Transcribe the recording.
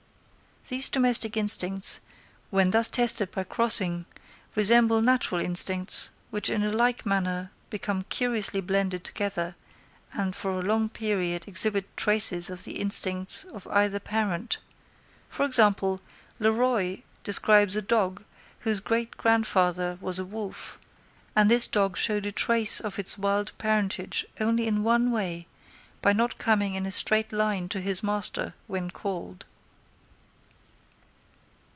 These domestic instincts, when thus tested by crossing, resemble natural instincts, which in a like manner become curiously blended together, and for a long period exhibit traces of the instincts of either parent: for example, Le Roy describes a dog, whose great grandfather was a wolf, and this dog showed a trace of its wild parentage only in one way, by not coming in a straight line to his master, when called.